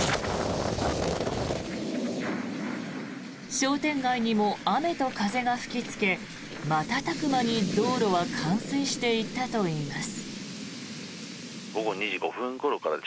商店街にも雨と風が吹きつけ瞬く間に、道路は冠水していったといいます。